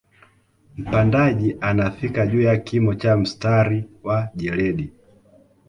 Mpandaji anafika juu ya kimo cha mstari wa jeledi